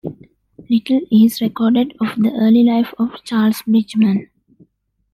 Little is recorded of the early life of Charles Bridgeman.